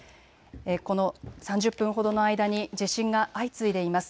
この３０分ほどの間に地震が相次いでいます。